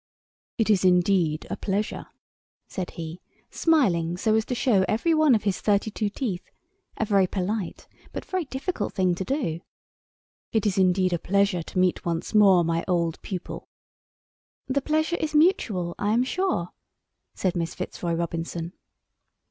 "It is indeed a pleasure," said he, smiling so as to show every one of his thirty two teeth—a very polite, but very difficult thing to do—"it is indeed a pleasure to meet once more my old pupil." "The pleasure is mutual, I am sure," said Miss Fitzroy Robinson.